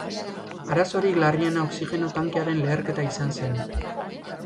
Arazorik larriena oxigeno tankearen leherketa izan zen.